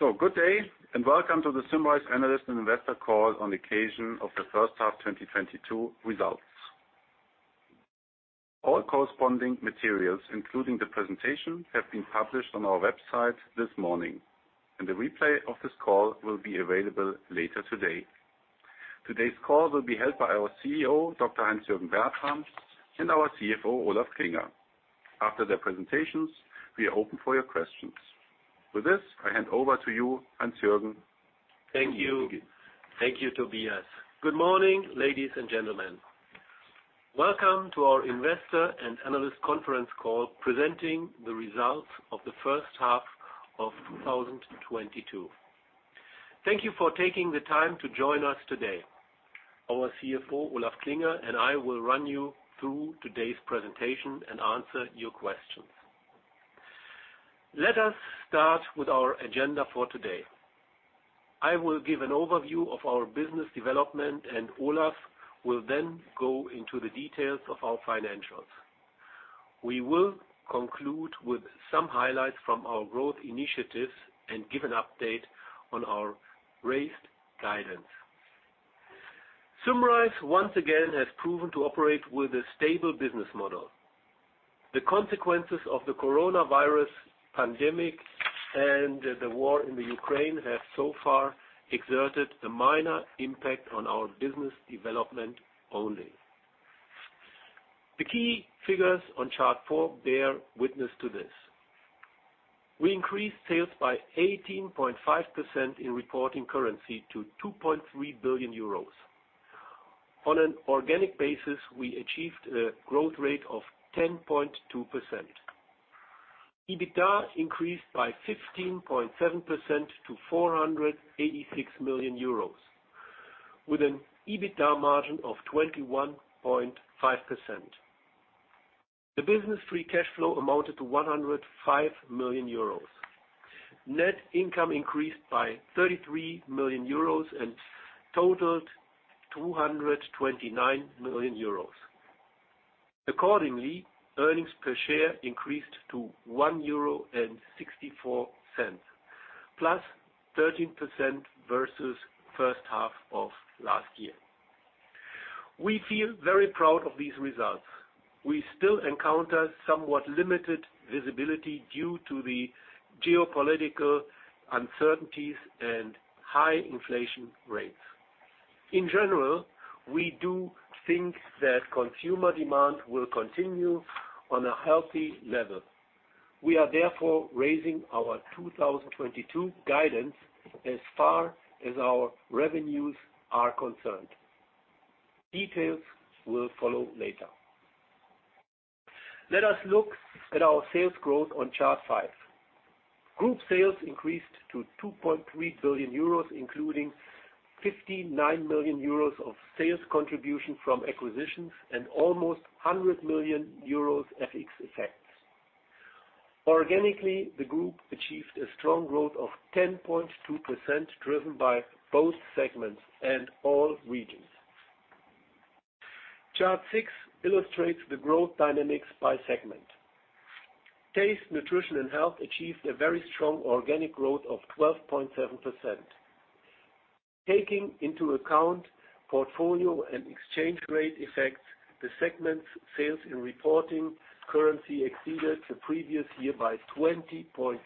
Good day, and welcome to the Symrise Analyst and Investor Call on occasion of the first half 2022 results. All corresponding materials, including the presentation, have been published on our website this morning, and the replay of this call will be available later today. Today's call will be held by our CEO, Dr. Heinz-Jürgen Bertram, and our CFO, Olaf Klinger. After their presentations, we are open for your questions. With this, I hand over to you, Heinz-Jürgen. Thank you. Thank you, Tobias. Good morning, ladies and gentlemen. Welcome to our Investor and Analyst Conference Call presenting the results of the first half of 2022. Thank you for taking the time to join us today. Our CFO, Olaf Klinger, and I will run you through today's presentation and answer your questions. Let us start with our agenda for today. I will give an overview of our business development, and Olaf will then go into the details of our financials. We will conclude with some highlights from our growth initiatives and give an update on our raised guidance. Symrise once again has proven to operate with a stable business model. The consequences of the coronavirus pandemic and the war in the Ukraine have so far exerted a minor impact on our business development only. The key figures on chart four bear witness to this. We increased sales by 18.5% in reporting currency to 2.3 billion euros. On an organic basis, we achieved a growth rate of 10.2%. EBITDA increased by 15.7% to 486 million euros, with an EBITDA margin of 21.5%. The business free cash flow amounted to 105 million euros. Net income increased by 33 million euros and totaled 229 million euros. Accordingly, earnings per share increased to 1.64 euro, +13% versus first half of last year. We feel very proud of these results. We still encounter somewhat limited visibility due to the geopolitical uncertainties and high inflation rates. In general, we do think that consumer demand will continue on a healthy level. We are therefore raising our 2022 guidance as far as our revenues are concerned. Details will follow later. Let us look at our sales growth on Chart five. Group sales increased to 2.3 billion euros, including 59 million euros of sales contribution from acquisitions and almost 100 million euros FX effects. Organically, the group achieved a strong growth of 10.2%, driven by both segments and all regions. Chart six illustrates the growth dynamics by segment. Taste, Nutrition & Health achieved a very strong organic growth of 12.7%. Taking into account portfolio and exchange rate effects, the segment's sales in reporting currency exceeded the previous year by 20.6%.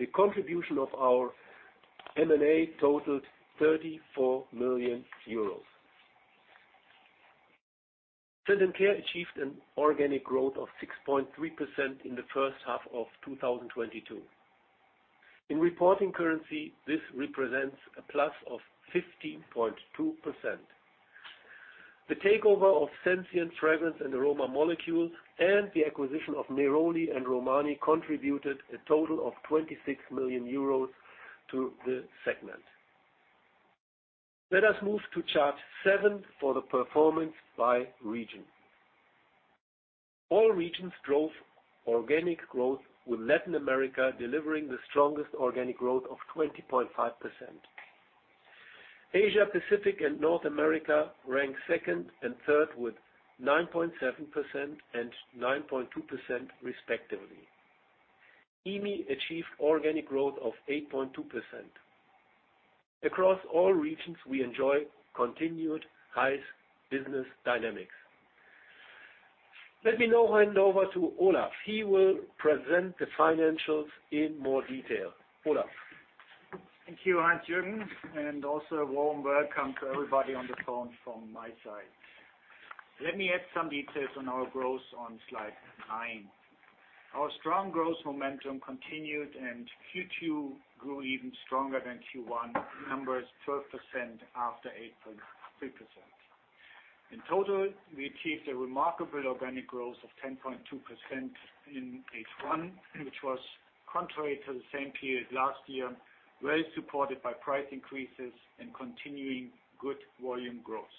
The contribution of our M&A totaled EUR 34 million. Scent & Care achieved an organic growth of 6.3% in the first half of 2022. In reporting currency, this represents +15.2%. The takeover of Sensient Fragrance and Aroma Molecules and the acquisition of Groupe Neroli and SFA Romani contributed a total of 26 million euros to the segment. Let us move to chart seven for the performance by region. All regions drove organic growth, with Latin America delivering the strongest organic growth of 20.5%. Asia-Pacific and North America ranked second and third with 9.7% and 9.2% respectively. EMEA achieved organic growth of 8.2%. Across all regions, we enjoy continued highest business dynamics. Let me now hand over to Olaf. He will present the financials in more detail. Olaf. Thank you, Heinz-Jürgen, and also a warm welcome to everybody on the phone from my side. Let me add some details on our growth on slide nine. Our strong growth momentum continued, and Q2 grew even stronger than Q1. Number is 12% after 8.3%. In total, we achieved a remarkable organic growth of 10.2% in H1, which was contrary to the same period last year, well supported by price increases and continuing good volume growth.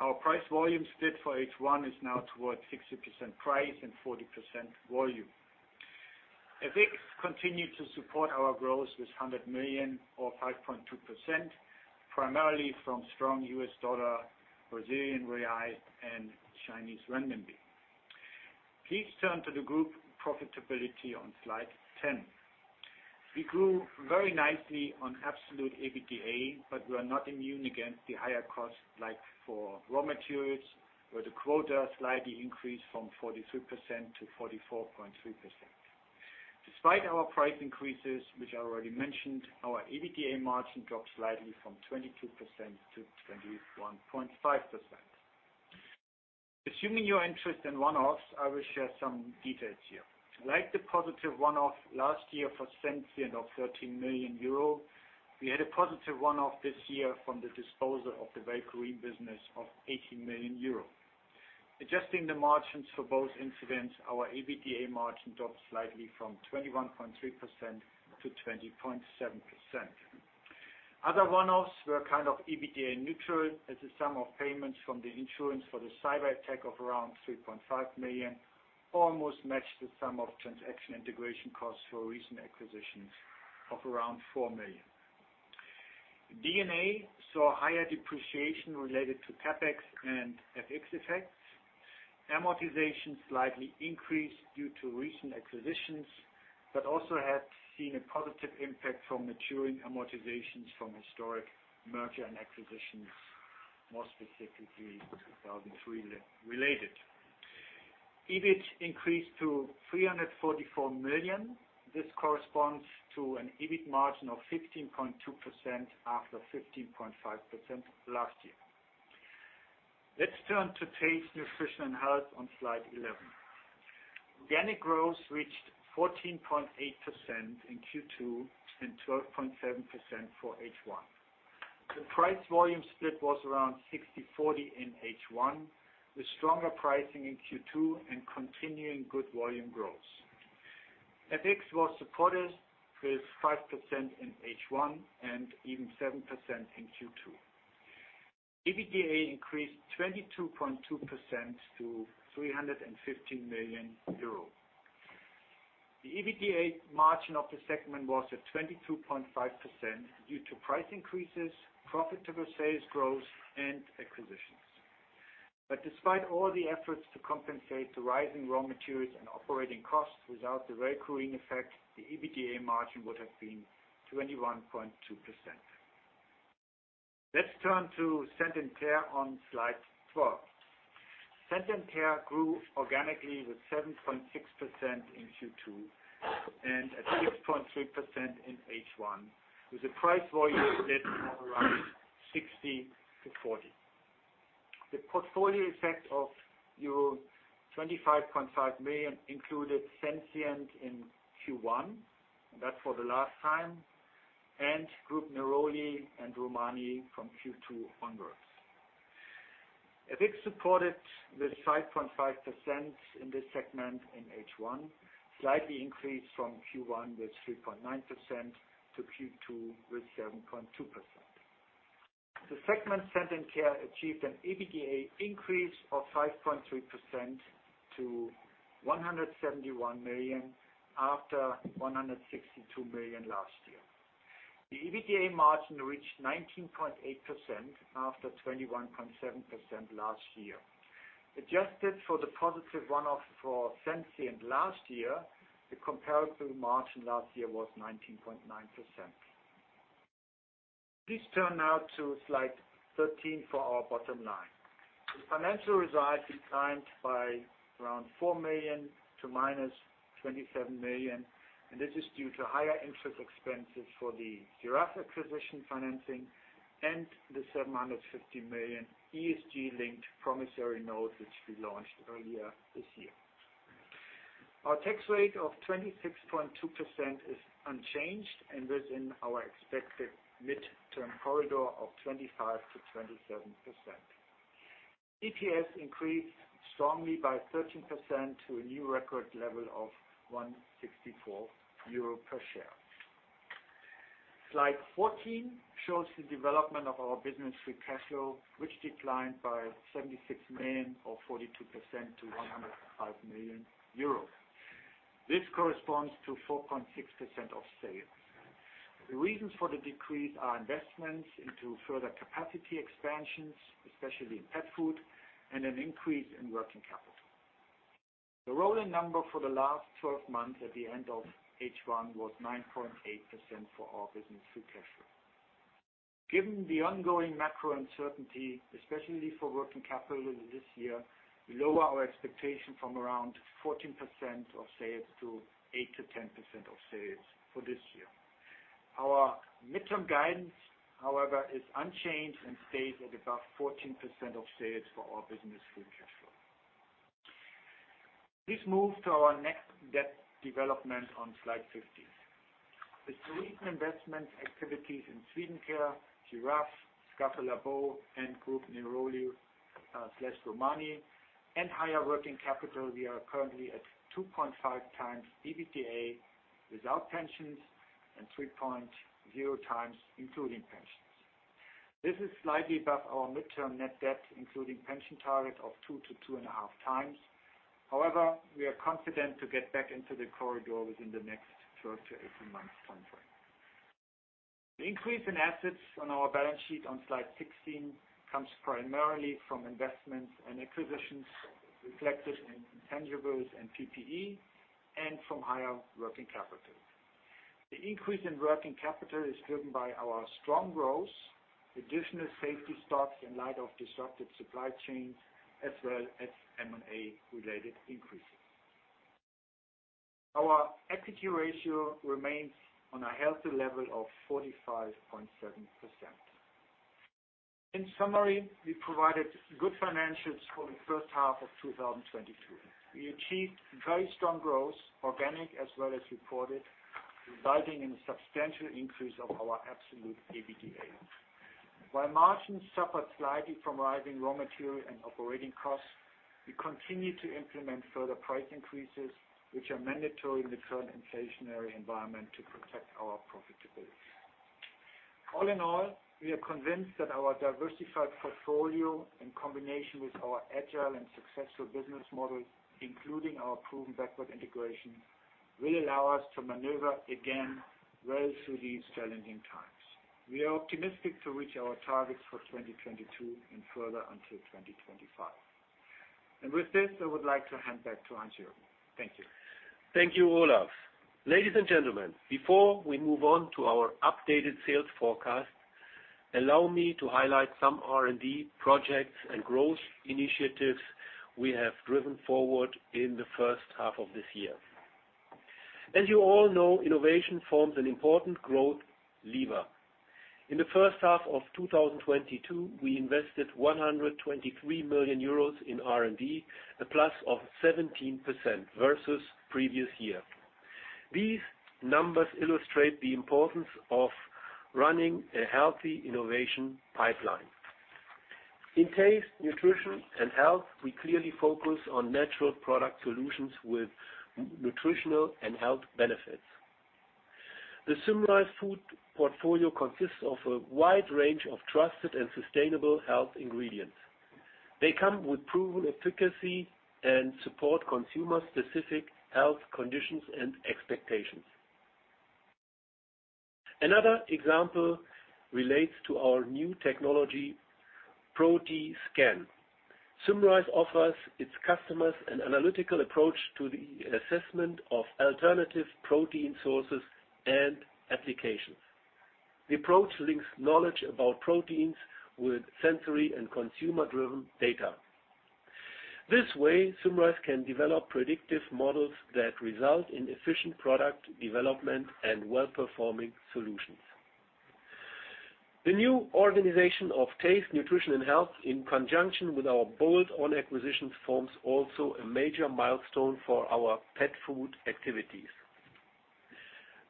Our price volume split for H1 is now towards 60% price and 40% volume. FX continued to support our growth with 100 million or 5.2%. Primarily from strong US dollar, Brazilian real, and Chinese renminbi. Please turn to the group profitability on slide 10. We grew very nicely on absolute EBITDA, but we are not immune against the higher costs like for raw materials, where the quota slightly increased from 43% to 44.3%. Despite our price increases, which I already mentioned, our EBITDA margin dropped slightly from 22% to 21.5%. Assuming your interest in one-offs, I will share some details here. Like the positive one-off last year for Sensient of 13 million euro, we had a positive one-off this year from the disposal of the Velcorin business of 80 million euro. Adjusting the margins for both incidents, our EBITDA margin dropped slightly from 21.3% to 20.7%. Other one-offs were kind of EBITDA neutral as a sum of payments from the insurance for the cyberattack of around 3.5 million, almost matched the sum of transaction integration costs for recent acquisitions of around 4 million. D&A saw higher depreciation related to CapEx and FX effects. Amortization slightly increased due to recent acquisitions, but also had seen a positive impact from maturing amortizations from historic merger and acquisitions, more specifically 2003 related. EBIT increased to 344 million. This corresponds to an EBIT margin of 15.2% after 15.5% last year. Let's turn to Taste, Nutrition & Health on slide eleven. Organic growth reached 14.8% in Q2 and 12.7% for H1. The price-volume split was around 60/40 in H1, with stronger pricing in Q2 and continuing good volume growth. FX was supportive with 5% in H1 and even 7% in Q2. EBITDA increased 22.2% to EUR 315 million. The EBITDA margin of the segment was at 22.5% due to price increases, profitable sales growth, and acquisitions. Despite all the efforts to compensate the rising raw materials and operating costs without the Velcorin effect, the EBITDA margin would have been 21.2%. Let's turn to Scent & Care on slide 12. Scent & Care grew organically with 7.6% in Q2 and at 6.3% in H1, with a price volume split of around 60/40. The portfolio effect of euro 25.5 million included Sensient in Q1, and that's for the last time, and Groupe Neroli and SFA Romani from Q2 onwards. FX supported with 5.5% in this segment in H1, slightly increased from Q1 with 3.9% to Q2 with 7.2%. The segment Scent & Care achieved an EBITDA increase of 5.3% to 171 million after 162 million last year. The EBITDA margin reached 19.8% after 21.7% last year. Adjusted for the positive run off for Sensient last year, the comparable margin last year was 19.9%. Please turn now to slide 13 for our bottom line. The financial results declined by around 4 million to -27 million, and this is due to higher interest expenses for the Giraffe acquisition financing and the 750 million ESG-linked promissory note, which we launched earlier this year. Our tax rate of 26.2% is unchanged and within our expected midterm corridor of 25%-27%. EPS increased strongly by 13% to a new record level of 1.64 euro per share. Slide 14 shows the development of our business free cash flow, which declined by 76 million or 42% to 105 million euros. This corresponds to 4.6% of sales. The reasons for the decrease are investments into further capacity expansions, especially in pet food, and an increase in working capital. The rolling number for the last twelve months at the end of H1 was 9.8% for our business free cash flow. Given the ongoing macro uncertainty, especially for working capital this year, we lower our expectation from around 14% of sales to 8%-10% of sales for this year. Our midterm guidance, however, is unchanged and stays at about 14% of sales for our business free cash flow. Please move to our net debt development on slide 15. With recent investment activities in Swedencare, Giraffe Foods, Schaffelaarbos, and Groupe Neroli / SFA Romani, and higher working capital, we are currently at 2.5x EBITDA without pensions and 3.0x including pensions. This is slightly above our midterm net debt, including pension targets of 2-2.5x. However, we are confident to get back into the corridor within the next 12-18 months timeframe. The increase in assets on our balance sheet on slide 16 comes primarily from investments and acquisitions reflected in intangibles and PPE, and from higher working capital. The increase in working capital is driven by our strong growth, additional safety stocks in light of disrupted supply chains, as well as M&A related increases. Our equity ratio remains on a healthy level of 45.7%. In summary, we provided good financials for the first half of 2022. We achieved very strong growth, organic as well as reported, resulting in a substantial increase of our absolute EBITDA. While margins suffered slightly from rising raw material and operating costs, we continue to implement further price increases, which are mandatory in the current inflationary environment to protect our profitability. All in all, we are convinced that our diversified portfolio in combination with our agile and successful business model, including our proven backward integration, will allow us to maneuver again well through these challenging times. We are optimistic to reach our targets for 2022 and further until 2025. With this, I would like to hand back to Heinz-Jürgen Bertram. Thank you. Thank you, Olaf. Ladies and gentlemen, before we move on to our updated sales forecast, allow me to highlight some R&D projects and growth initiatives we have driven forward in the first half of this year. As you all know, innovation forms an important growth lever. In the first half of 2022, we invested 123 million euros in R&D, a plus of 17% versus previous year. These numbers illustrate the importance of running a healthy innovation pipeline. In Taste, Nutrition & Health, we clearly focus on natural product solutions with nutritional and health benefits. The Symrise food portfolio consists of a wide range of trusted and sustainable health ingredients. They come with proven efficacy and support consumer specific health conditions and expectations. Another example relates to our new technology, ProtiScan. Symrise offers its customers an analytical approach to the assessment of alternative protein sources and applications. The approach links knowledge about proteins with sensory and consumer-driven data. This way, Symrise can develop predictive models that result in efficient product development and well-performing solutions. The new organization of Taste, Nutrition and Health, in conjunction with our bold own acquisitions, forms also a major milestone for our pet food activities.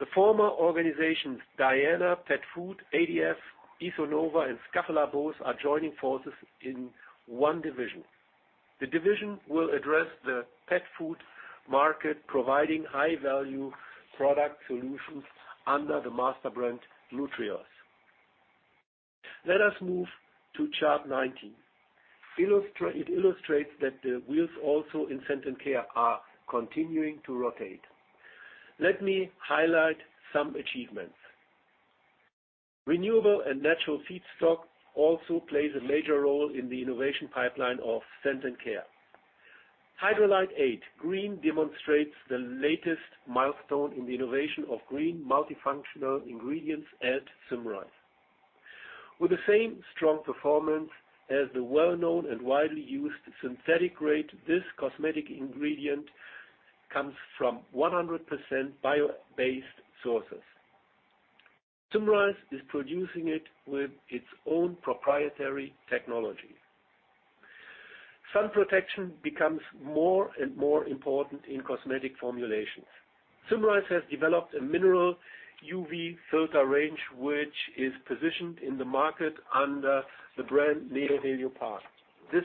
The former organizations Diana Pet Food, ADF, IsoNova, and Schaffelaarbos are joining forces in one division. The division will address the pet food market, providing high-value product solutions under the master brand Nutrios. Let us move to chart 19. It illustrates that the wheels also in Scent and Care are continuing to rotate. Let me highlight some achievements. Renewable and natural feedstock also plays a major role in the innovation pipeline of Scent and Care. Hydrolite 8 green demonstrates the latest milestone in the innovation of green multifunctional ingredients at Symrise. With the same strong performance as the well-known and widely used synthetic grade, this cosmetic ingredient comes from 100% bio-based sources. Symrise is producing it with its own proprietary technology. Sun protection becomes more and more important in cosmetic formulations. Symrise has developed a mineral UV filter range, which is positioned in the market under the brand Neo Heliopan. This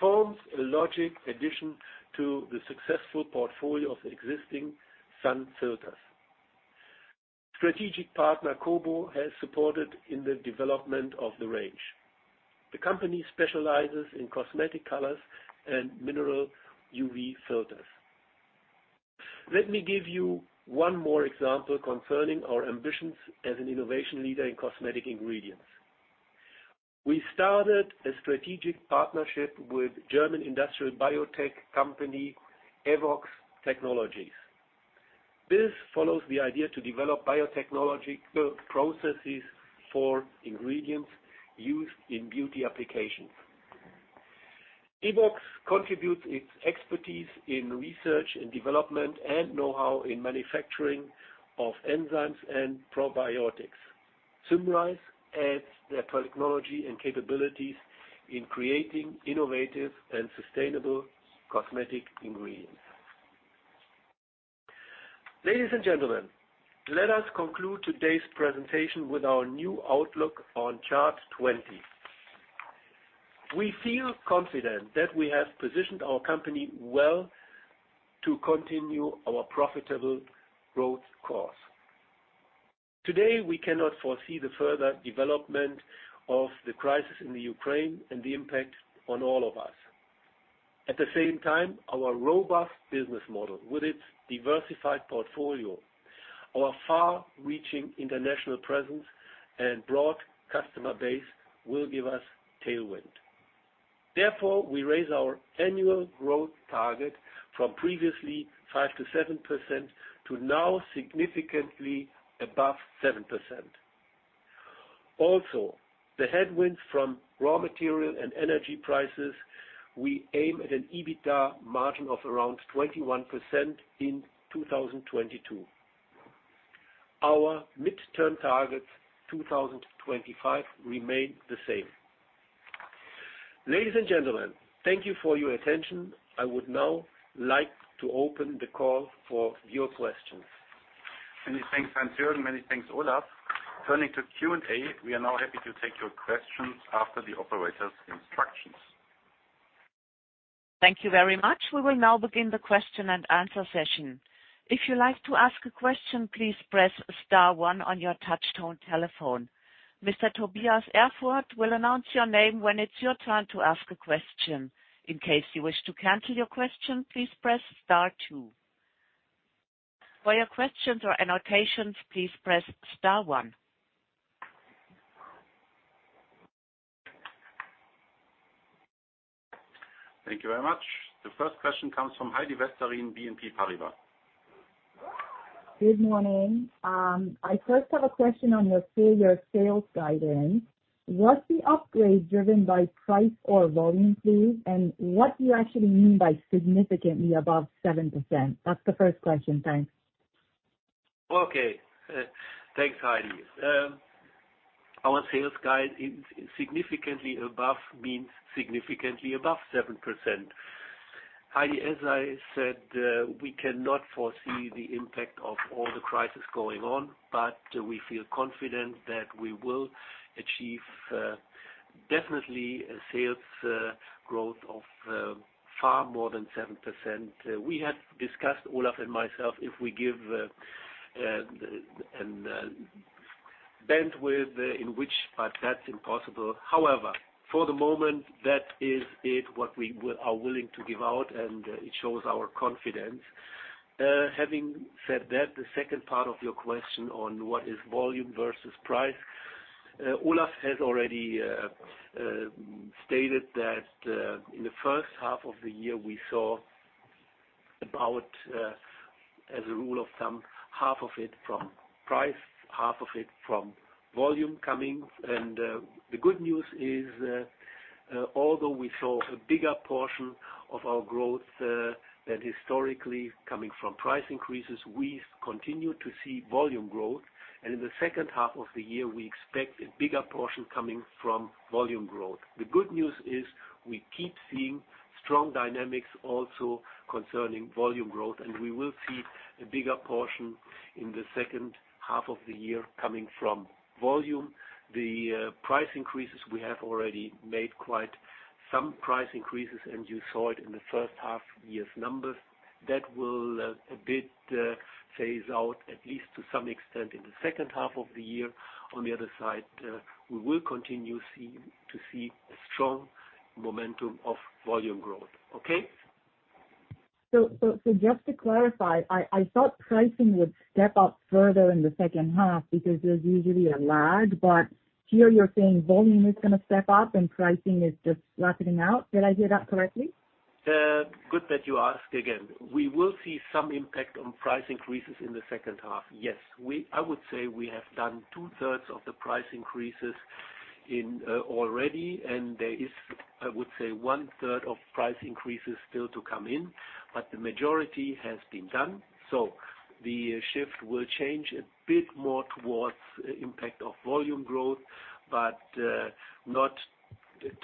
forms a logical addition to the successful portfolio of existing sun filters. Strategic partner Kobo has supported in the development of the range. The company specializes in cosmetic colors and mineral UV filters. Let me give you one more example concerning our ambitions as an innovation leader in cosmetic ingredients. We started a strategic partnership with German industrial biotech company, Evoxx Technologies. This follows the idea to develop biotechnological processes for ingredients used in beauty applications. evoxx contributes its expertise in research and development and know-how in manufacturing of enzymes and probiotics. Symrise adds their technology and capabilities in creating innovative and sustainable cosmetic ingredients. Ladies and gentlemen, let us conclude today's presentation with our new outlook on chart 20. We feel confident that we have positioned our company well to continue our profitable growth course. Today, we cannot foresee the further development of the crisis in the Ukraine and the impact on all of us. At the same time, our robust business model with its diversified portfolio, our far-reaching international presence and broad customer base will give us tailwind. Therefore, we raise our annual growth target from previously 5%-7% to now significantly above 7%. Also, the headwind from raw material and energy prices, we aim at an EBITDA margin of around 21% in 2022. Our midterm targets 2025 remain the same. Ladies and gentlemen, thank you for your attention. I would now like to open the call for your questions. Many thanks, Heinz-Jürgen. Many thanks, Olaf. Turning to Q&A, we are now happy to take your questions after the operator's instructions. Thank you very much. We will now begin the question and answer session. If you'd like to ask a question, please press star one on your touchtone telephone. Mr. Tobias Erfurth will announce your name when it's your turn to ask a question. In case you wish to cancel your question, please press star two. For your questions or annotations, please press star one. Thank you very much. The first question comes from Heidi Vesterinen, BNP Paribas. Good morning. I first have a question on your full year sales guidance. Was the upgrade driven by price or volume, please? What do you actually mean by significantly above 7%? That's the first question. Thanks. Okay. Thanks, Heidi. Our sales guide is significantly above 7%. Heidi, as I said, we cannot foresee the impact of all the crisis going on, but we feel confident that we will achieve definitely a sales growth of far more than 7%. We had discussed, Olaf and myself, if we give bandwidth but that's impossible. However, for the moment, that is it, what we are willing to give out, and it shows our confidence. Having said that, the second part of your question on what is volume versus price. Olaf has already stated that in the first half of the year, we saw about, as a rule of thumb, half of it from price, half of it from volume coming. The good news is, although we saw a bigger portion of our growth than historically coming from price increases, we continue to see volume growth. In the second half of the year, we expect a bigger portion coming from volume growth. The good news is we keep seeing strong dynamics also concerning volume growth, and we will see a bigger portion in the second half of the year coming from volume. The price increases, we have already made quite some price increases, and you saw it in the first half year's numbers. That will a bit phase out at least to some extent in the second half of the year. On the other side, we will continue to see a strong momentum of volume growth. Okay. Just to clarify, I thought pricing would step up further in the second half because there's usually a lag. Here you're saying volume is gonna step up and pricing is just flattening out. Did I hear that correctly? Good that you asked again. We will see some impact on price increases in the second half. Yes. I would say we have done two-thirds of the price increases in already, and there is, I would say, one-third of price increases still to come in, but the majority has been done. The shift will change a bit more towards impact of volume growth, but not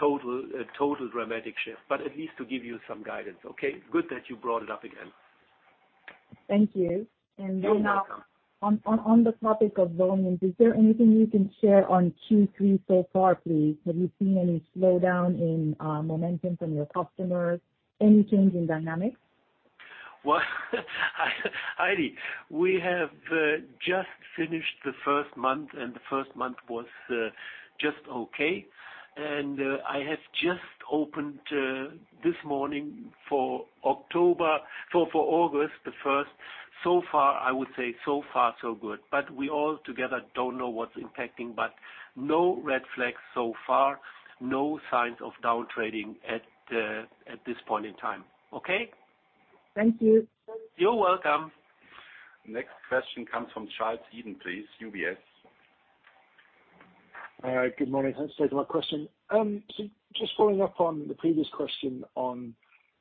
total, a total dramatic shift. At least to give you some guidance, okay? Good that you brought it up again. Thank you. You're welcome. On the topic of volume, is there anything you can share on Q3 so far, please? Have you seen any slowdown in momentum from your customers? Any change in dynamics? Well, Heidi, we have just finished the first month, and the first month was just okay. I have just opened this morning for August the first. So far, I would say so far so good. We altogether don't know what's impacting, but no red flags so far, no signs of downtrading at this point in time. Okay? Thank you. You're welcome. Next question comes from Charles Eden, please. UBS. Good morning. Thanks for taking my question. Just following up on the previous question on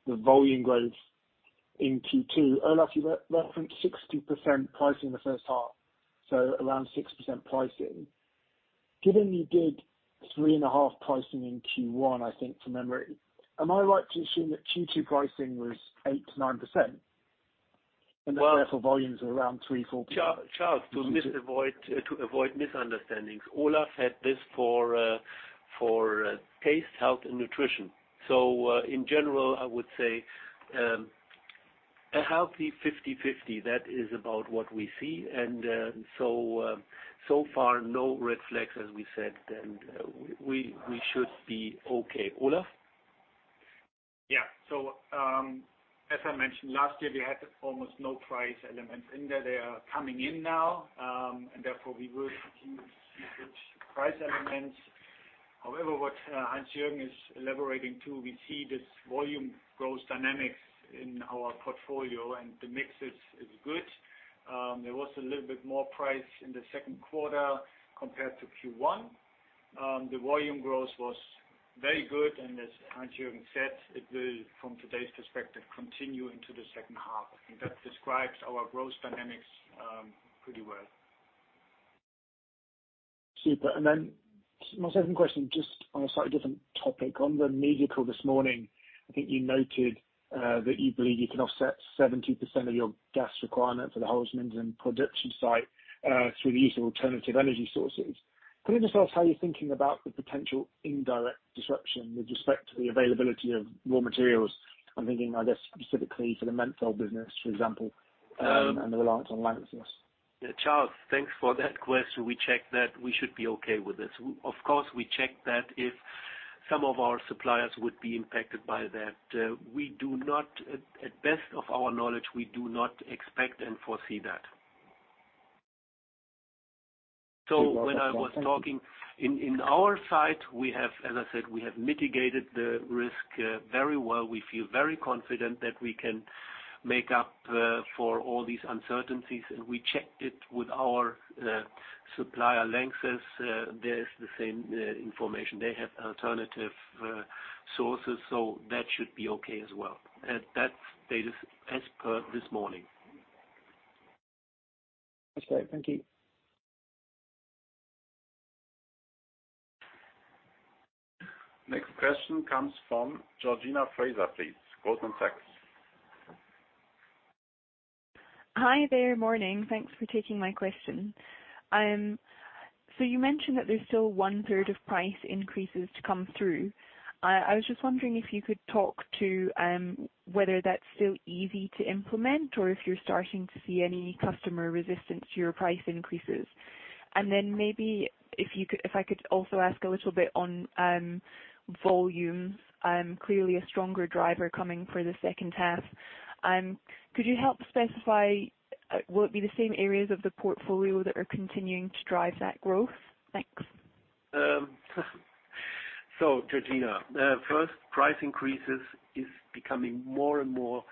the volume growth in Q2. Olaf, you referenced 60% pricing in the first half, so around 6% pricing. Given you did 3.5% pricing in Q1, I think from memory, am I right to assume that Q2 pricing was 8%-9%? Well- Volumes were around 3%-4%. Charles, to avoid misunderstandings, Olaf had this for Taste, Nutrition & Health. In general, I would say a healthy 50/50. That is about what we see. We should be okay. Olaf? Yeah. As I mentioned, last year, we had almost no price elements in there. They are coming in now, and therefore we will use price elements. However, what Heinz-Jürgen is elaborating to, we see this volume growth dynamics in our portfolio, and the mix is good. There was a little bit more price in the second quarter compared to Q1. The volume growth was very good, and as Heinz-Jürgen said, it will, from today's perspective, continue into the second half. I think that describes our growth dynamics pretty well. Super. My second question, just on a slightly different topic. On the media call this morning, I think you noted that you believe you can offset 70% of your gas requirement for the Holzminden production site through the use of alternative energy sources. Can I just ask how you're thinking about the potential indirect disruption with respect to the availability of raw materials? I'm thinking, I guess, specifically for the menthol business, for example, and the reliance on Lanxess. Yeah, Charles, thanks for that question. We checked that. We should be okay with this. Of course, we checked that if some of our suppliers would be impacted by that. To the best of our knowledge, we do not expect and foresee that. In our site, we have, as I said, mitigated the risk very well. We feel very confident that we can make up for all these uncertainties, and we checked it with our supply chains. There's the same information. They have alternative sources, so that should be okay as well. That's the status as per this morning. Okay, thank you. Next question comes from Georgina Fraser, please. Goldman Sachs. Hi there. Morning. Thanks for taking my question. You mentioned that there's still one-third of price increases to come through. I was just wondering if you could talk to whether that's still easy to implement or if you're starting to see any customer resistance to your price increases. Maybe if I could also ask a little bit on volume. Clearly a stronger driver coming for the second half. Could you help specify will it be the same areas of the portfolio that are continuing to drive that growth? Thanks. Georgina, first, price increases is becoming more and more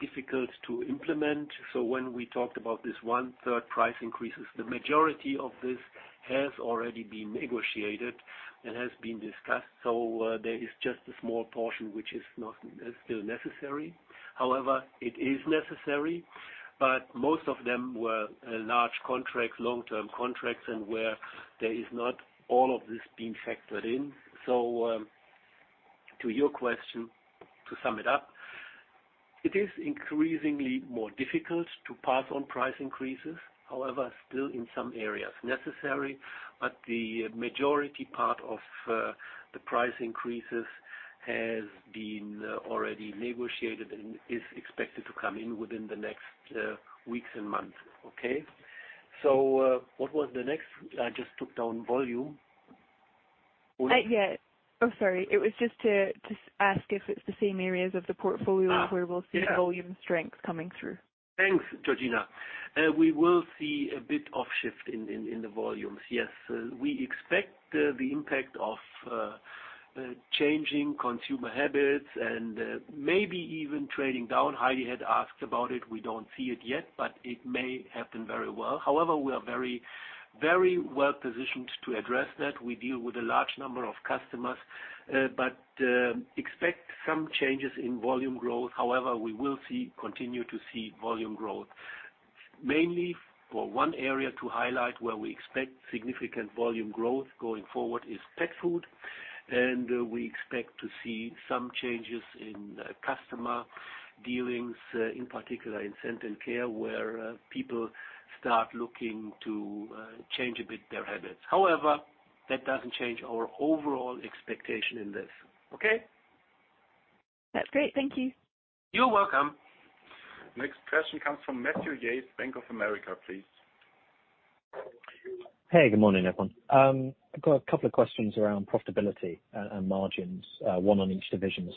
difficult to implement. When we talked about this one-third price increases, the majority of this has already been negotiated and has been discussed. There is just a small portion, which is not still necessary. However, it is necessary, but most of them were large contracts, long-term contracts, and where there is not all of this being factored in. To your question, to sum it up, it is increasingly more difficult to pass on price increases. However, still in some areas necessary, but the majority part of the price increases has been already negotiated and is expected to come in within the next weeks and months. Okay. What was the next? I just took down volume. Yeah. Oh, sorry. It was just to ask if it's the same areas of the portfolio where we'll see volume strength coming through. Thanks, Georgina. We will see a bit of shift in the volumes. Yes. We expect the impact of changing consumer habits and maybe even trading down. Heidi had asked about it. We don't see it yet, but it may happen very well. However, we are very, very well-positioned to address that. We deal with a large number of customers, but expect some changes in volume growth. However, we will continue to see volume growth. Mainly for one area to highlight where we expect significant volume growth going forward is pet food, and we expect to see some changes in customer dealings, in particular in Scent & Care, where people start looking to change a bit their habits. However, that doesn't change our overall expectation in this. Okay? That's great. Thank you. You're welcome. Next question comes from Matthew Yates, Bank of America, please. Hey, good morning, everyone. I've got a couple of questions around profitability and margins, one on each division.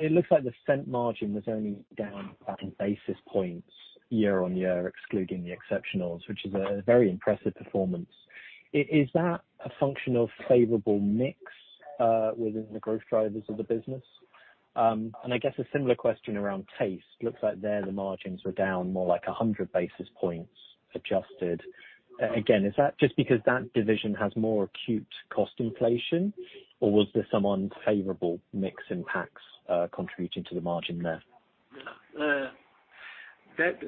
It looks like the scent margin was only down 100 basis points year-on-year, excluding the exceptionals, which is a very impressive performance. Is that a function of favorable mix within the growth drivers of the business? I guess a similar question around taste. Looks like there the margins are down more like 100 basis points adjusted. Again, is that just because that division has more acute cost inflation, or was there some unfavorable mix in packs contributing to the margin there? Yeah.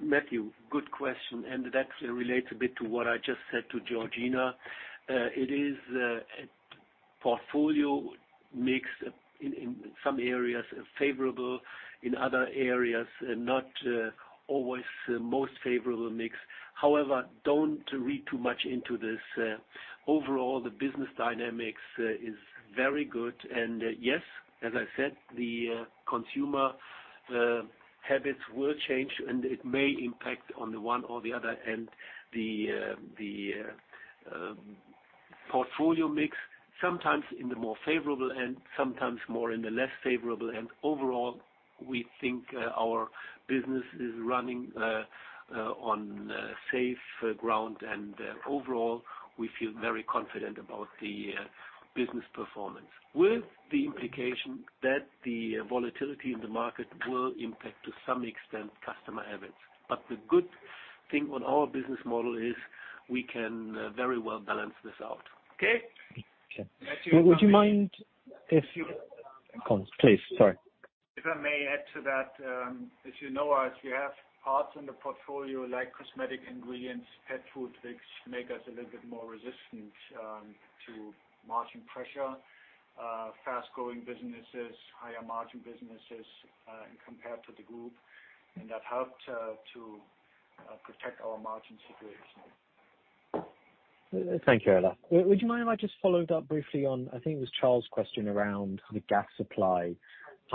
Matthew, good question, and that relates a bit to what I just said to Georgina. It is a portfolio mix in some areas favorable, in other areas not. Always the most favorable mix. However, don't read too much into this. Overall, the business dynamics is very good. Yes, as I said, the consumer habits will change, and it may impact on the one or the other end of the portfolio mix, sometimes in the more favorable and sometimes more in the less favorable. Overall, we think our business is running on safe ground. Overall, we feel very confident about the business performance with the implication that the volatility in the market will impact to some extent customer habits. The good thing on our business model is we can very well balance this out. Okay? Okay. Matthew Please, sorry. If I may add to that, as you know, as you have parts in the portfolio like cosmetic ingredients, pet food, which make us a little bit more resistant to margin pressure, fast-growing businesses, higher margin businesses, compared to the group. That helped to protect our margin situation. Thank you, Olaf. Would you mind if I just followed up briefly on, I think it was Charles' question around the gas supply.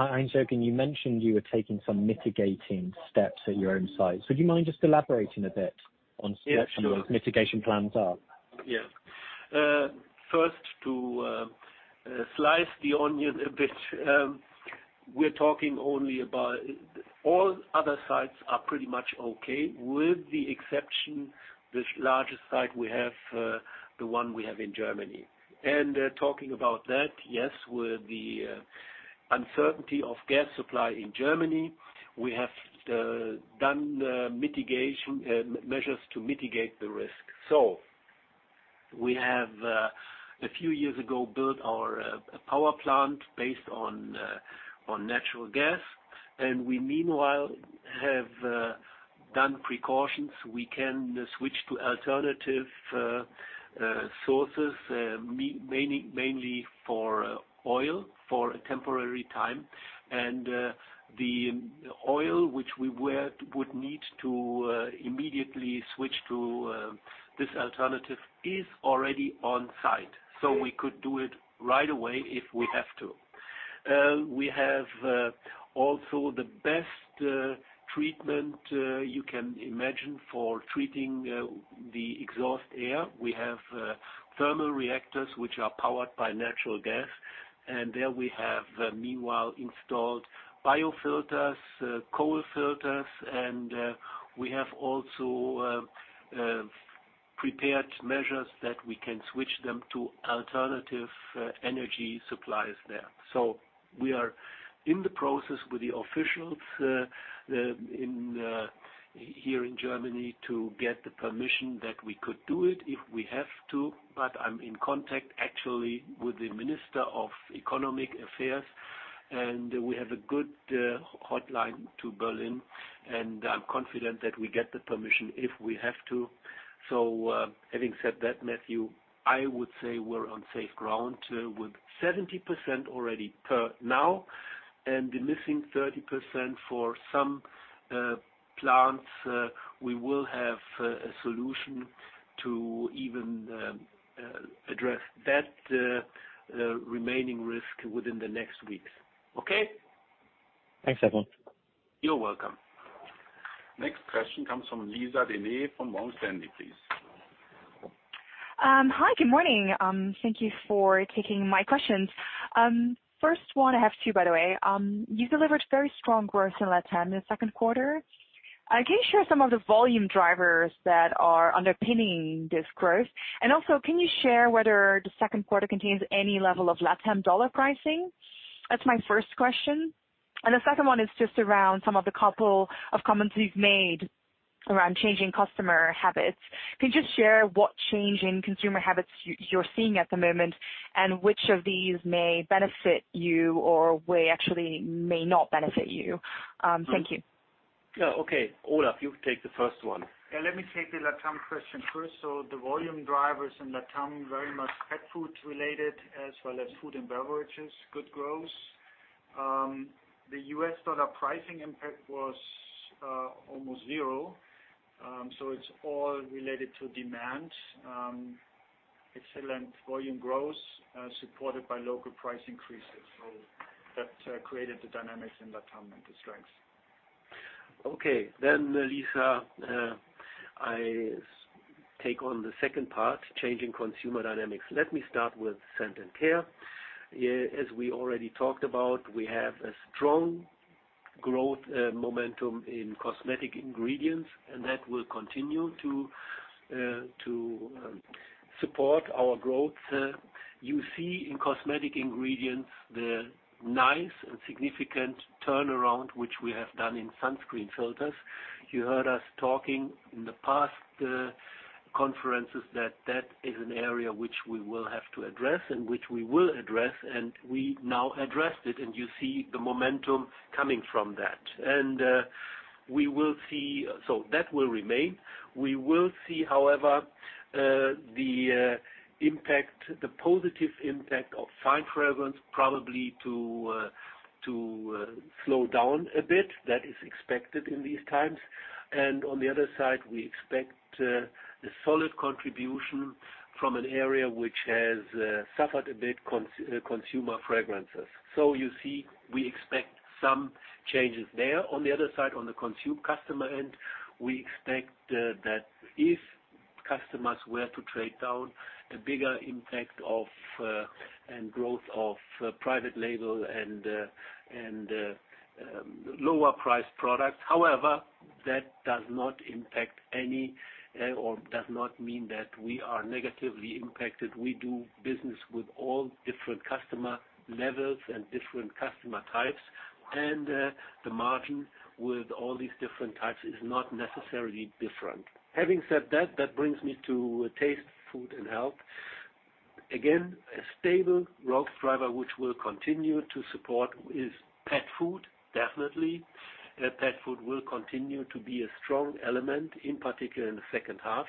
Heinz-Jürgen, you mentioned you were taking some mitigating steps at your own site. Do you mind just elaborating a bit on- Yeah, sure. What are some of those mitigation plans? Yeah. First to slice the onion a bit, we're talking only about all other sites are pretty much okay with the exception this largest site we have, the one we have in Germany. Talking about that, yes, with the uncertainty of gas supply in Germany, we have done mitigation measures to mitigate the risk. We have a few years ago built our power plant based on natural gas, and we meanwhile have done precautions. We can switch to alternative sources mainly for oil for a temporary time. The oil which we would need to immediately switch to this alternative is already on site. We could do it right away if we have to. We have also the best treatment you can imagine for treating the exhaust air. We have thermal reactors which are powered by natural gas. There we have meanwhile installed biofilters, coal filters, and we have also prepared measures that we can switch them to alternative energy suppliers there. We are in the process with the officials in here in Germany to get the permission that we could do it if we have to. I'm in contact actually with the Minister of Economic Affairs, and we have a good hotline to Berlin, and I'm confident that we get the permission if we have to. Having said that, Matthew, I would say we're on safe ground with 70% already as of now, and the missing 30% for some plants we will have a solution to even address that remaining risk within the next weeks. Okay? Thanks, Hein. You're welcome. Next question comes from Lisa De Neve from Morgan Stanley, please. Hi, good morning. Thank you for taking my questions. First one, I have two, by the way. You delivered very strong growth in Latam in the second quarter. Can you share some of the volume drivers that are underpinning this growth? Also, can you share whether the second quarter contains any level of Latam dollar pricing? That's my first question. The second one is just around some of the couple of comments you've made around changing customer habits. Can you just share what change in consumer habits you're seeing at the moment, and which of these may benefit you or we actually may not benefit you? Thank you. Yeah. Okay. Olaf, you take the first one. Let me take the LatAm question first. The volume drivers in LatAm, very much pet food related, as well as food and beverages, good growth. The US dollar pricing impact was almost zero. It's all related to demand. Excellent volume growth supported by local price increases. That created the dynamics in LatAm and the strengths. Okay. Lisa, I take on the second part, changing consumer dynamics. Let me start with Scent & Care. As we already talked about, we have a strong growth momentum in cosmetic ingredients, and that will continue to support our growth. You see in cosmetic ingredients the nice and significant turnaround, which we have done in sunscreen filters. You heard us talking in the past conferences that is an area which we will have to address and which we will address, and we now addressed it, and you see the momentum coming from that. That will remain. We will see, however, the impact, the positive impact of fine fragrance probably to slow down a bit. That is expected in these times. On the other side, we expect a solid contribution from an area which has suffered a bit, consumer fragrances. You see, we expect some changes there. On the other side, on the customer end, we expect that if customers were to trade down, a bigger impact and growth of private label and lower priced products. However, that does not impact us or does not mean that we are negatively impacted. We do business with all different customer levels and different customer types, and the margin with all these different types is not necessarily different. Having said that brings me to Taste, Nutrition & Health. Again, a stable growth driver, which will continue to support us is pet food, definitely. Pet food will continue to be a strong element, in particular in the second half.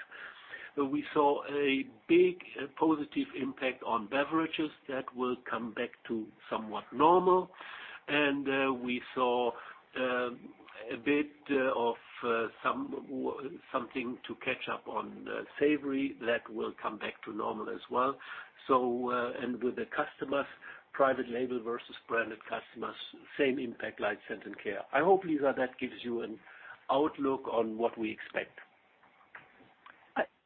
We saw a big positive impact on beverages that will come back to somewhat normal. We saw a bit of something to catch up on savory that will come back to normal as well. With the customers, private label versus branded customers, same impact like Scent & Care. I hope, Lisa, that gives you an outlook on what we expect.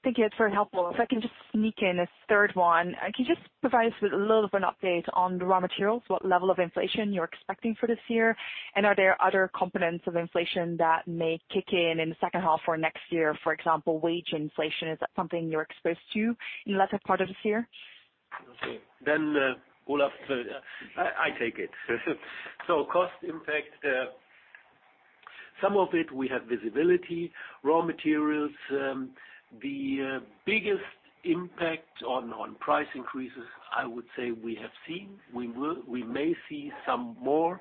Thank you. It's very helpful. If I can just sneak in a third one. Can you just provide us with a little of an update on the raw materials, what level of inflation you're expecting for this year? And are there other components of inflation that may kick in in the second half or next year, for example, wage inflation? Is that something you're exposed to in the latter part of this year? Olaf, I take it. Cost impact, some of it we have visibility. Raw materials, the biggest impact on price increases, I would say we have seen. We may see some more,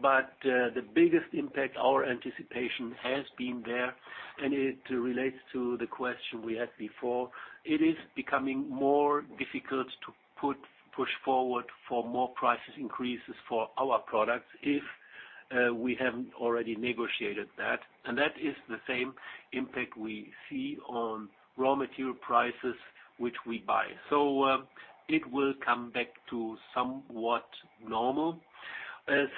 but the biggest impact, our anticipation has been there, and it relates to the question we had before. It is becoming more difficult to push forward for more price increases for our products if we haven't already negotiated that. That is the same impact we see on raw material prices, which we buy. It will come back to somewhat normal.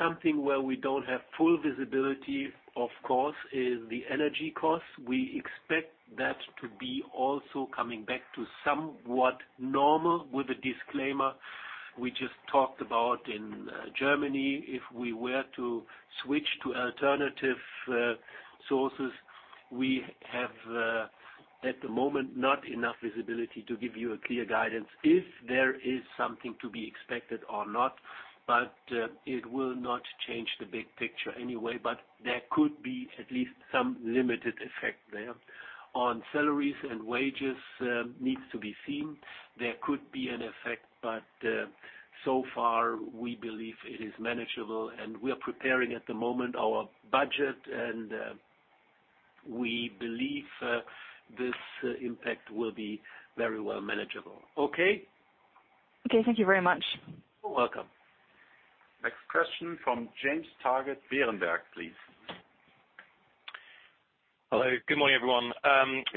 Something where we don't have full visibility, of course, is the energy cost. We expect that to be also coming back to somewhat normal with a disclaimer we just talked about in Germany. If we were to switch to alternative sources, we have at the moment not enough visibility to give you a clear guidance if there is something to be expected or not. It will not change the big picture anyway. There could be at least some limited effect there. On salaries and wages, needs to be seen. There could be an effect, but so far, we believe it is manageable, and we are preparing at the moment our budget, and we believe this impact will be very well manageable. Okay? Okay. Thank you very much. You're welcome. Next question from James Targett, Berenberg, please. Hello. Good morning, everyone.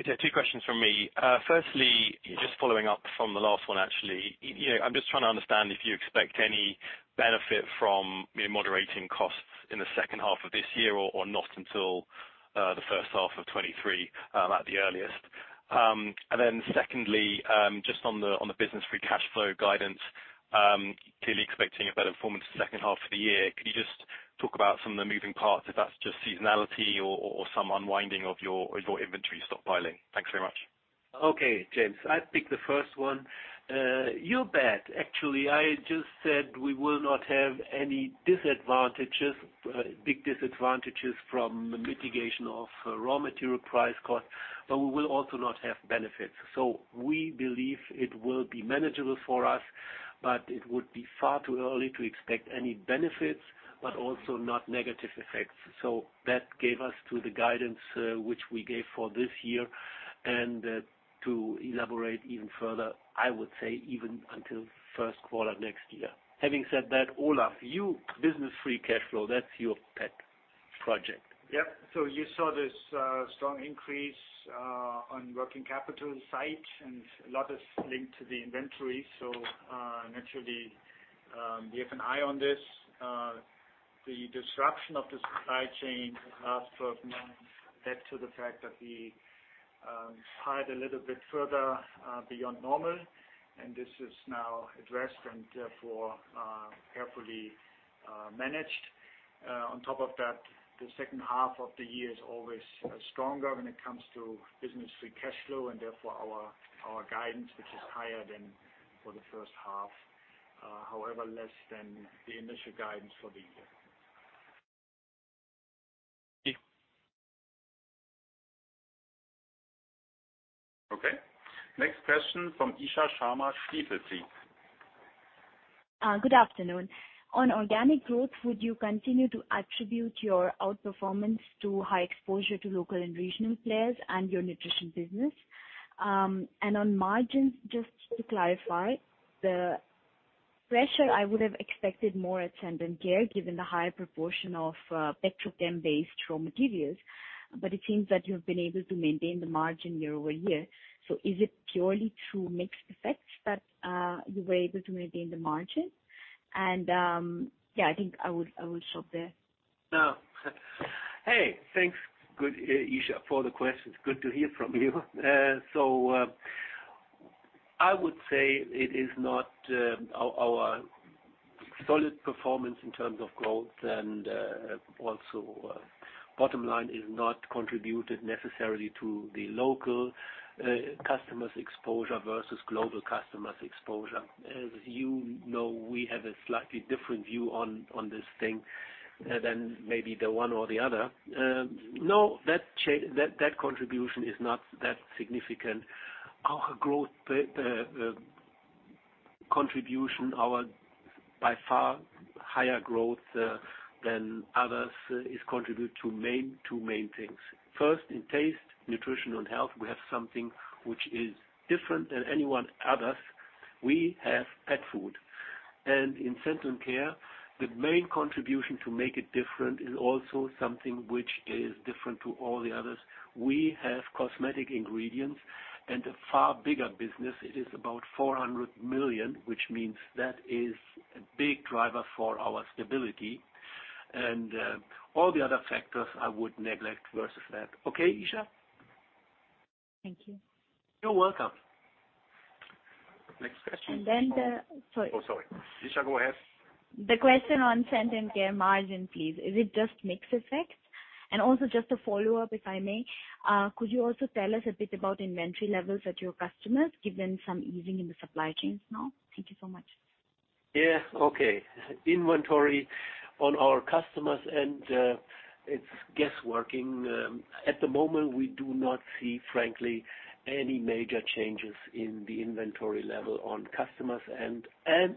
Two questions from me. Firstly, just following up from the last one, actually. You know, I'm just trying to understand if you expect any benefit from, you know, moderating costs in the second half of this year or not until the first half of 2023 at the earliest. And then secondly, just on the business free cash flow guidance, clearly expecting a better performance second half of the year. Could you just talk about some of the moving parts, if that's just seasonality or some unwinding of your inventory stockpiling? Thanks very much. Okay, James. I pick the first one. You bet. Actually, I just said we will not have any disadvantages, big disadvantages from the mitigation of raw material price cost, but we will also not have benefits. We believe it will be manageable for us, but it would be far too early to expect any benefits, but also not negative effects. That gave us to the guidance, which we gave for this year. To elaborate even further, I would say even until first quarter next year. Having said that, Olaf, you, business free cash flow, that's your pet project. Yep. You saw this strong increase on working capital side and a lot is linked to the inventory. Naturally, we have an eye on this. The disruption of the supply chain in the last 12 months led to the fact that we hired a little bit further beyond normal, and this is now addressed and therefore carefully managed. On top of that, the second half of the year is always stronger when it comes to business free cash flow, and therefore our guidance, which is higher than for the first half, however, less than the initial guidance for the year. Thank you. Okay. Next question from Isha Sharma, Stifel, please. Good afternoon. On organic growth, would you continue to attribute your outperformance to high exposure to local and regional players and your nutrition business? On margins, just to clarify, the pressure I would have expected more at Scent & Care, given the high proportion of petrochem-based raw materials. It seems that you've been able to maintain the margin year-over-year. Is it purely through mixed effects that you were able to maintain the margin? I think I would stop there. Hey, thanks, Isha, for the questions. Good to hear from you. I would say it is not our solid performance in terms of growth and also bottom line is not contributed necessarily to the local customers exposure versus global customers exposure. As you know, we have a slightly different view on this thing than maybe the one or the other. No, that contribution is not that significant. Our growth, the contribution, our by far higher growth than others is contributed to two main things. First, in Taste, Nutrition & Health, we have something which is different than any others. We have pet food. In Scent & Care, the main contribution to make it different is also something which is different to all the others. We have cosmetic ingredients and a far bigger business. It is about 400 million, which means that is a big driver for our stability. All the other factors I would neglect versus that. Okay, Isha? Thank you. You're welcome. Next question. Sorry. Oh, sorry. Isha, go ahead. The question on Scent & Care margin, please. Is it just mix effects? Just a follow-up, if I may. Could you also tell us a bit about inventory levels at your customers, given some easing in the supply chains now? Thank you so much. Yeah. Okay. Inventory on our customers and it's guesswork. At the moment, we do not see, frankly, any major changes in the inventory level on customers and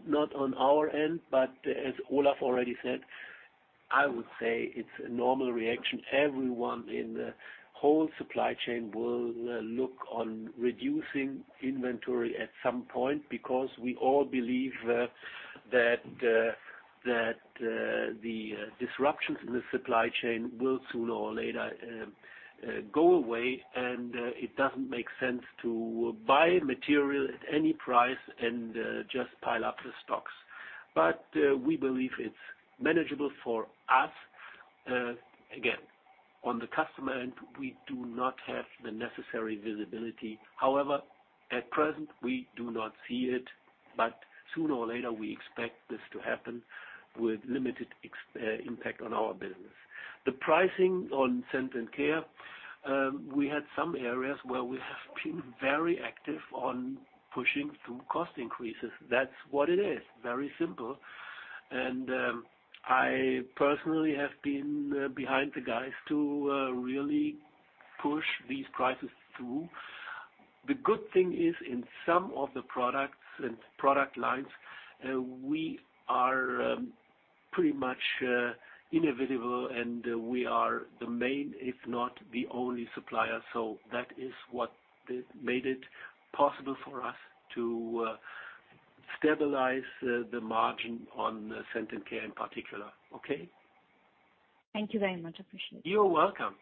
not on our end. As Olaf already said, I would say it's a normal reaction. Everyone in the whole supply chain will look on reducing inventory at some point because we all believe that the disruptions in the supply chain will sooner or later go away, and it doesn't make sense to buy material at any price and just pile up the stocks. We believe it's manageable for us. Again, on the customer end, we do not have the necessary visibility. However, at present, we do not see it. Sooner or later, we expect this to happen with limited impact on our business. The pricing on Scent & Care, we had some areas where we have been very active on pushing through cost increases. That's what it is. Very simple. I personally have been behind the guys to really push these prices through. The good thing is in some of the products and product lines, we are pretty much inevitable, and we are the main, if not the only supplier. That is what made it possible for us to stabilize the margin on Scent & Care in particular. Okay? Thank you very much. Appreciate it. You're welcome.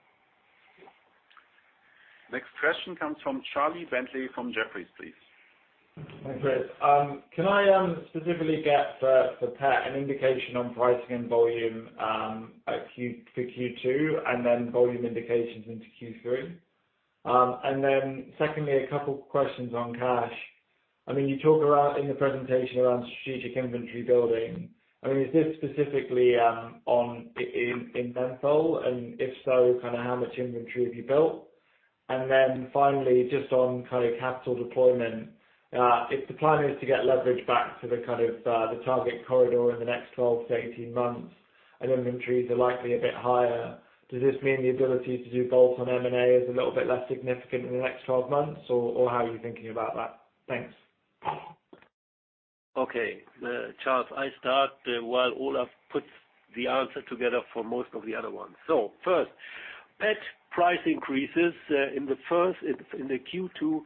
Next question comes from Charles Bentley from Jefferies, please. Thanks, Chris. Can I specifically get for pet an indication on pricing and volume for Q2, and then volume indications into Q3? And then secondly, a couple questions on cash. I mean, you talk in the presentation around strategic inventory building. I mean, is this specifically in menthol? And if so, kind of how much inventory have you built? And then finally, just on kind of capital deployment, if the plan is to get leverage back to the kind of the target corridor in the next 12-18 months and inventories are likely a bit higher, does this mean the ability to do both on M&A is a little bit less significant in the next 12 months, or how are you thinking about that? Thanks. Okay. Charles, I start while Olaf puts the answer together for most of the other ones. First, pet price increases in Q2,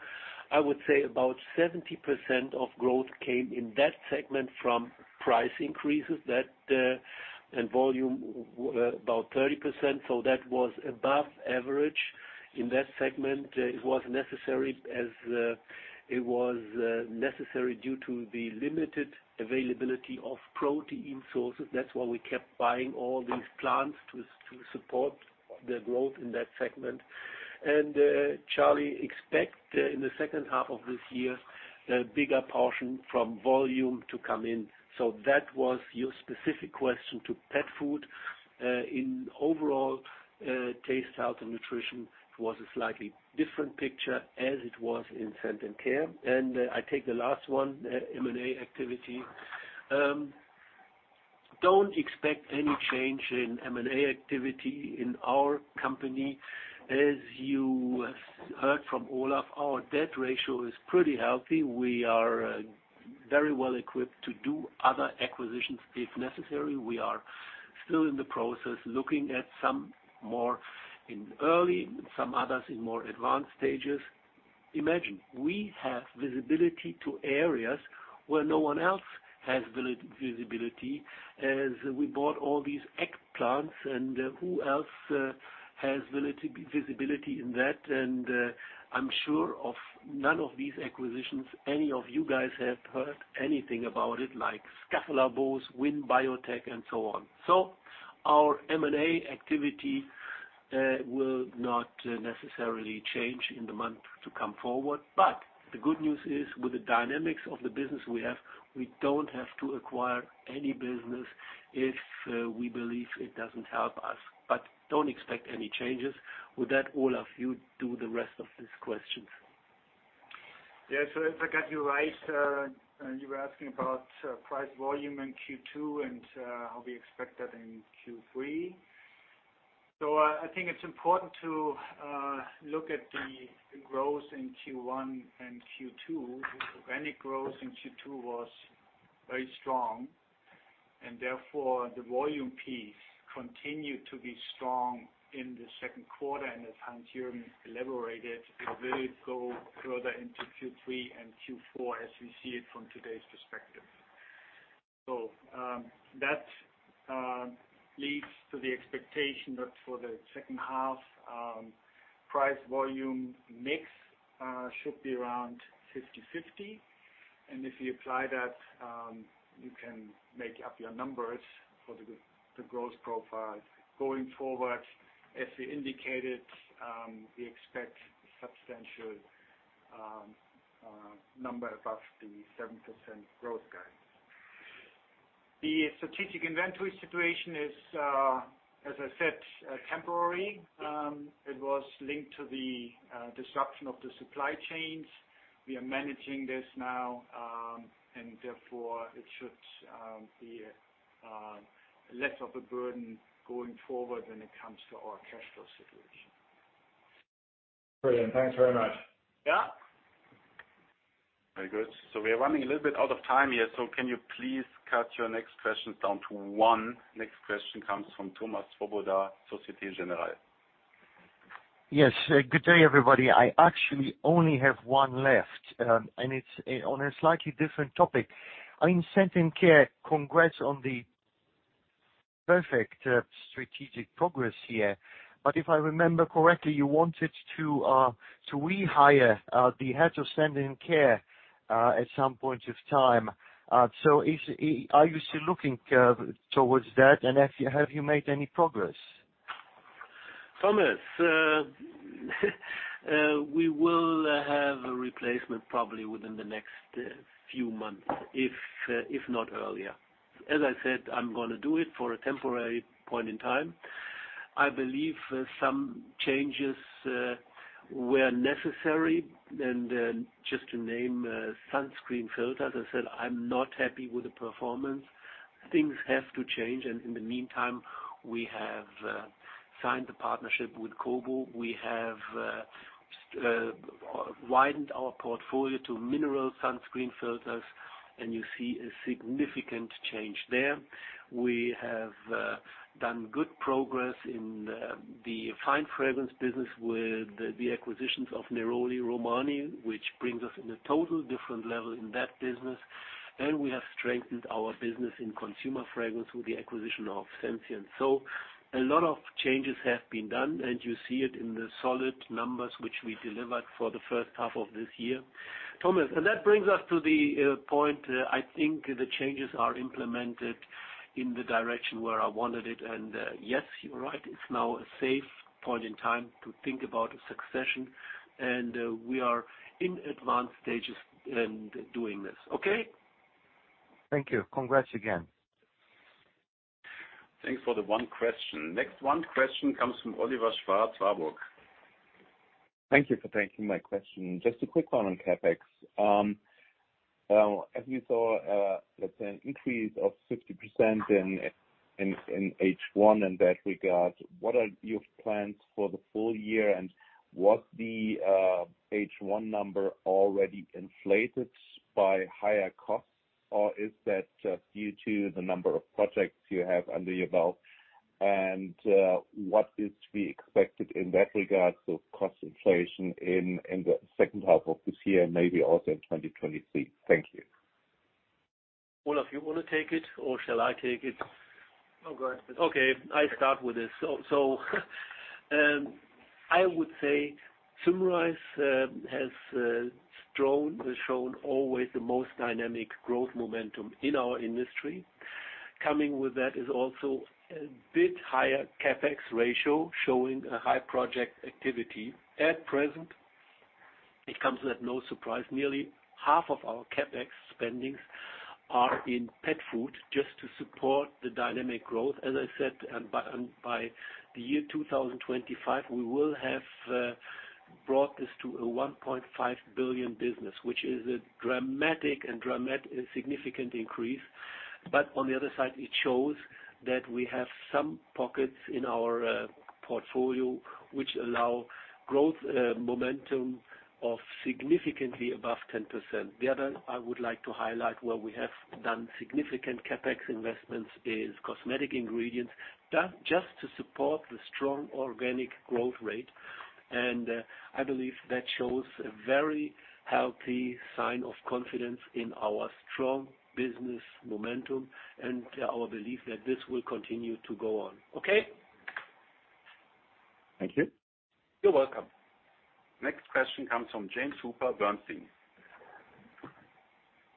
I would say about 70% of growth came in that segment from price increases. That and volume were about 30%, so that was above average in that segment. It was necessary due to the limited availability of protein sources. That's why we kept buying all these plants to support the growth in that segment. Charles, expect in the second half of this year a bigger portion from volume to come in. That was your specific question to pet food. Overall, Taste, Nutrition and Health was a slightly different picture as it was in Scent & Care. I take the last one, M&A activity. Don't expect any change in M&A activity in our company. As you have heard from Olaf, our debt ratio is pretty healthy. We are very well equipped to do other acquisitions if necessary. We are still in the process, looking at some more in early, some others in more advanced stages. Imagine we have visibility to areas where no one else has built visibility, as we bought all these egg plants and who else has built visibility in that. I'm sure of none of these acquisitions, any of you guys have heard anything about it, like Schaffelaarbos, Wing Biotech, and so on. Our M&A activity will not necessarily change in the months to come. The good news is, with the dynamics of the business we have, we don't have to acquire any business if we believe it doesn't help us. Don't expect any changes. With that, Olaf, you do the rest of these questions. Yes. If I got you right, you were asking about price volume in Q2 and how we expect that in Q3. I think it's important to look at the growth in Q1 and Q2. Organic growth in Q2 was very strong, and therefore the volume piece continued to be strong in the second quarter. As Hans-Jürgen elaborated, it will go further into Q3 and Q4 as we see it from today's perspective. That leads to the expectation that for the second half, price volume mix should be around 50/50. If you apply that, you can make up your numbers for the growth profile going forward. As we indicated, we expect substantial number above the 7% growth guidance. The strategic inventory situation is, as I said, temporary. It was linked to the disruption of the supply chains. We are managing this now, and therefore it should be less of a burden going forward when it comes to our cash flow situation. Brilliant. Thanks very much. Yeah. Very good. We are running a little bit out of time here, so can you please cut your next questions down to one? Next question comes from Thomas Swoboda, Société Générale. Yes. Good day, everybody. I actually only have one left, and it's on a slightly different topic. On Scent & Care, congrats on the perfect strategic progress here. If I remember correctly, you wanted to rehire the head of Scent & Care at some point in time. Are you still looking toward that? Have you made any progress? Thomas, we will have a replacement probably within the next few months, if not earlier. As I said, I'm gonna do it for a temporary point in time. I believe some changes were necessary. Just to name sunscreen filters, I said, I'm not happy with the performance. Things have to change. In the meantime, we have signed a partnership with Kobo. We have widened our portfolio to mineral sunscreen filters, and you see a significant change there. We have done good progress in the fine fragrance business with the acquisitions of Groupe Neroli and SFA Romani, which brings us in a total different level in that business. We have strengthened our business in consumer fragrance with the acquisition of Sensient. A lot of changes have been done, and you see it in the solid numbers which we delivered for the first half of this year. Thomas, and that brings us to the point. I think the changes are implemented in the direction where I wanted it. Yes, you're right, it's now a safe point in time to think about a succession, and we are in advanced stages in doing this. Okay? Thank you. Congrats again. Thanks for the one question. Next one question comes from Olivier Schwarz, Warburg. Thank you for taking my question. Just a quick one on CapEx. As you saw, let's say an increase of 60% in H1 in that regard, what are your plans for the full year? Was the H1 number already inflated by higher costs, or is that just due to the number of projects you have under your belt? What is to be expected in that regard of cost inflation in the second half of this year, maybe also in 2023? Thank you. Olaf, you want to take it or shall I take it? No, go ahead please. Okay, I start with this. I would say Symrise has shown always the most dynamic growth momentum in our industry. Coming with that is also a bit higher CapEx ratio, showing a high project activity. At present, it comes as no surprise, nearly half of our CapEx spending is in pet food just to support the dynamic growth. As I said, by the year 2025, we will have brought this to a 1.5 billion business, which is a significant increase. But on the other side, it shows that we have some pockets in our portfolio which allow growth momentum of significantly above 10%. The other I would like to highlight where we have done significant CapEx investments is cosmetic ingredients, just to support the strong organic growth rate. I believe that shows a very healthy sign of confidence in our strong business momentum and our belief that this will continue to go on. Okay? Thank you. You're welcome. Next question comes from James Hooper, Bernstein.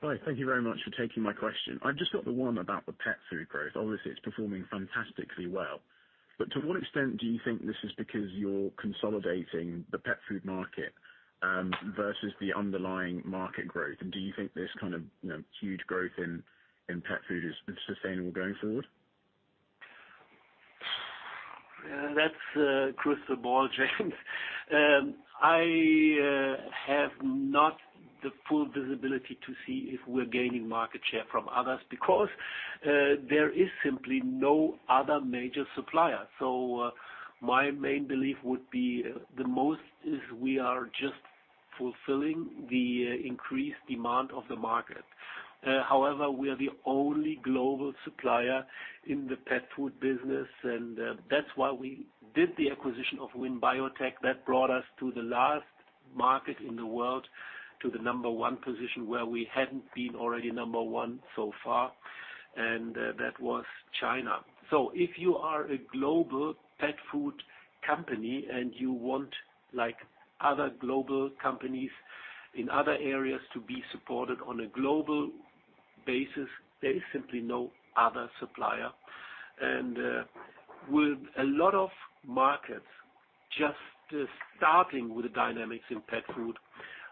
Hi. Thank you very much for taking my question. I've just got the one about the pet food growth. Obviously, it's performing fantastically well. To what extent do you think this is because you're consolidating the pet food market, versus the underlying market growth? Do you think this kind of, you know, huge growth in pet food is sustainable going forward? That's crystal ball, James. I have not the full visibility to see if we're gaining market share from others because there is simply no other major supplier. My main belief would be the most is we are just fulfilling the increased demand of the market. However, we are the only global supplier in the pet food business, and that's why we did the acquisition of Wing Biotech that brought us to the last market in the world, to the number one position where we hadn't been already number one so far, and that was China. If you are a global pet food company and you want, like other global companies in other areas, to be supported on a global basis, there is simply no other supplier. With a lot of markets just starting with the dynamics in pet food,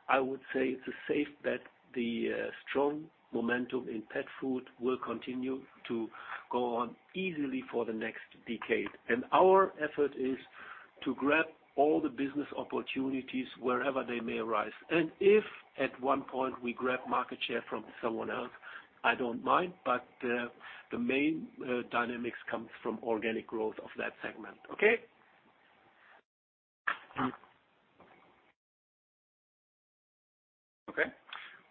I would say it's a safe bet the strong momentum in pet food will continue to go on easily for the next decade. Our effort is to grab all the business opportunities wherever they may arise. If at one point we grab market share from someone else, I don't mind, but the main dynamics comes from organic growth of that segment. Okay? Thank you. Okay.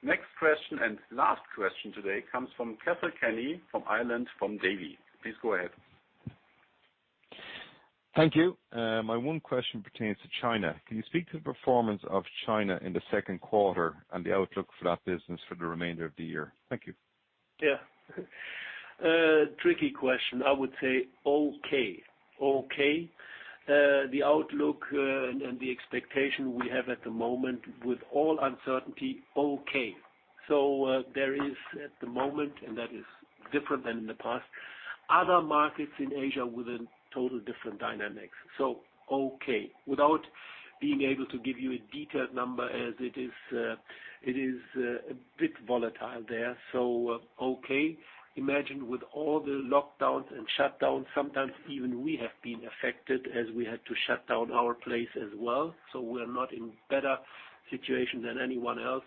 Next question and last question today comes from Cathal Kenny from Ireland, from Davy. Please go ahead. Thank you. My one question pertains to China. Can you speak to the performance of China in the second quarter and the outlook for that business for the remainder of the year? Thank you. A tricky question, I would say, okay. The outlook and the expectation we have at the moment with all uncertainty, okay. There is at the moment, and that is different than in the past, other markets in Asia with totally different dynamics, okay. Without being able to give you a detailed number as it is, it is a bit volatile there, okay. Imagine with all the lockdowns and shutdowns, sometimes even we have been affected as we had to shut down our place as well. We're not in better situation than anyone else,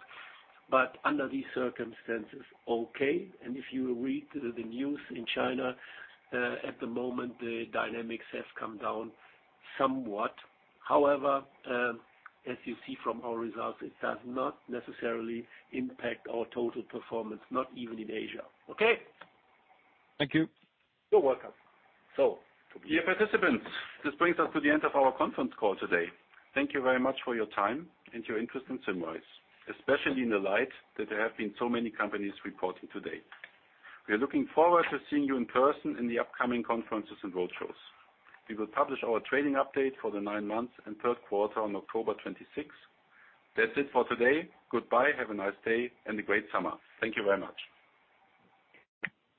but under these circumstances, okay. If you read the news in China at the moment, the dynamics has come down somewhat. However, as you see from our results, it does not necessarily impact our total performance, not even in Asia, okay. Thank you. You're welcome. Dear participants, this brings us to the end of our conference call today. Thank you very much for your time and your interest in Symrise, especially in the light that there have been so many companies reporting today. We are looking forward to seeing you in person in the upcoming conferences and road shows. We will publish our trading update for the nine months and third quarter on October twenty-sixth. That's it for today. Goodbye. Have a nice day and a great summer. Thank you very much.